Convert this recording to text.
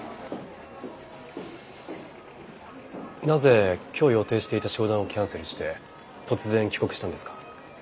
なぜ今日予定していた商談をキャンセルして突然帰国したんですか？